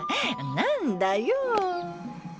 何だよ。